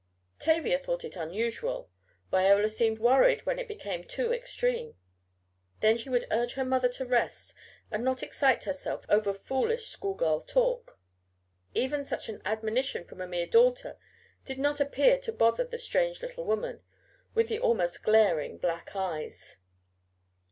Tavia thought it unusual Viola seemed worried when it became too extreme. Then she would urge her mother to rest and not excite herself over foolish schoolgirl talk. Even such an admonition from a mere daughter did not appear to bother the strange little woman, with the almost glaring black eyes.